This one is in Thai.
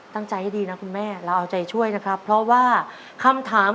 ตั้งใจให้ดีนะคุณแม่เราเอาใจช่วยนะครับเพราะว่าคำถาม